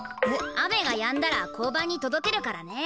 雨がやんだら交番にとどけるからね。